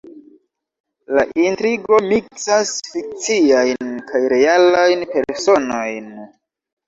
La intrigo miksas fikciajn kaj realajn personojn.